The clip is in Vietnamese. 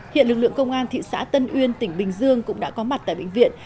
hiện lực lượng công an thị xã tân uyên tỉnh bình dương cũng đã có mặt tại bệnh viện